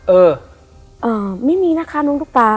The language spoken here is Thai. เออไม่มีนะคะน้องตุ๊กตา